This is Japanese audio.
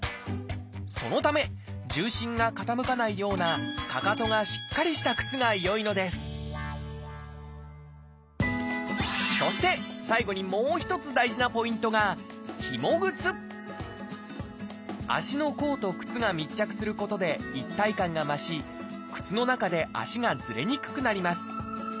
そのため重心が傾かないようなかかとがしっかりした靴が良いのですそして最後にもう一つ大事なポイントが足の甲と靴が密着することで一体感が増し靴の中で足がずれにくくなります